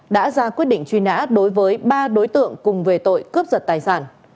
đã ra quyết định truy nã đối với ba đối tượng cùng về tội cướp giật tài sản